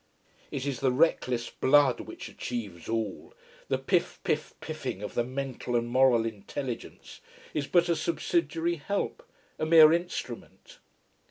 It is the reckless blood which achieves all, the piff piff piffing of the mental and moral intelligence is but a subsidiary help, a mere instrument.